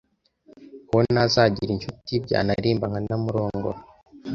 uwo nazagira inshuti byanarimba nka namurongora